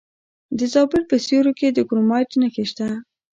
د زابل په سیوري کې د کرومایټ نښې شته.